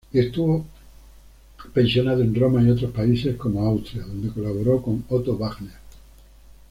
Estuvo pensionado en Roma y otros países como Austria, donde colaboró con Otto Wagner.